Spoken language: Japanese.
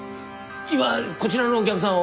今こちらのお客さんを。